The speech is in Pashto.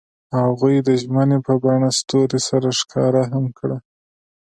هغوی د ژمنې په بڼه ستوري سره ښکاره هم کړه.